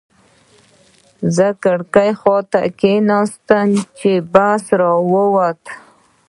زه د کړکۍ خواته کېناستم چې بس را ووت.